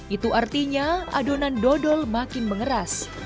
itu artinya adonan dodol makin mengeras